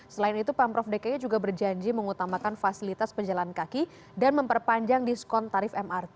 selain itu pemprov dki juga berjanji mengutamakan fasilitas penjalan kaki dan memperpanjang diskon tarif mrt